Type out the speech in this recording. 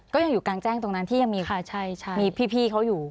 ก็ยังอยู่กลางแจ้งตรงนั้นที่ยังมีค่ะมีพี่เขาอยู่